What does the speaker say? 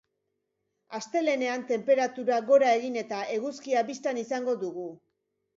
Astelehenean tenperaturak gora egin eta eguzkia bistan izango dugu.